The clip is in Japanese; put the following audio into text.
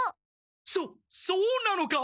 そそうなのか？